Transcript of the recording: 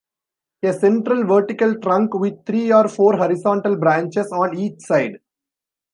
A central vertical trunk with three or four horizontal branches on each side.